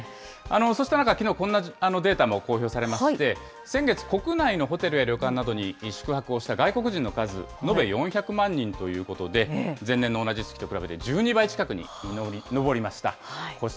そしてきのう、こんなデータも公表されまして、先月、国内のホテルや旅館などに宿泊をした外国人の数、延べ４００万人ということで、前年の同じ月と比べて１２倍近くに上りました。